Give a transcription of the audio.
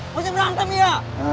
masih berantem aja